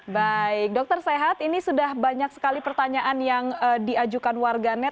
baik dokter sehat ini sudah banyak sekali pertanyaan yang diajukan warganet